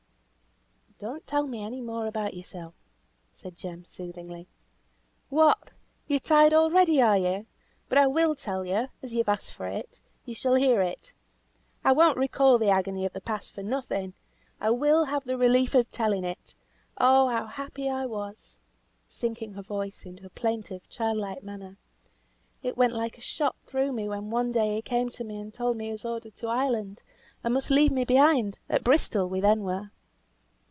"Don't tell me any more about yoursel," said Jem, soothingly. "What! you're tired already, are you? but I'll tell you; as you've asked for it, you shall hear it. I won't recall the agony of the past for nothing. I will have the relief of telling it. Oh, how happy I was!" sinking her voice into a plaintive child like manner. "It came like a shot on me when one day he came to me and told me he was ordered to Ireland, and must leave me behind; at Bristol we then were."